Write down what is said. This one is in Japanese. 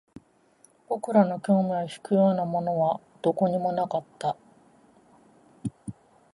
僕らの興味を引くようなものはどこにもなかった